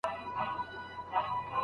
آیا عدالت تر بخښني سخت دی؟